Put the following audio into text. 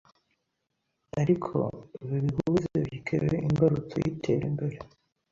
eriko bebihuze bikebe imberutso y’iterembere.